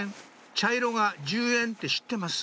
茶色が１０円って知ってます